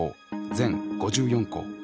全５４校。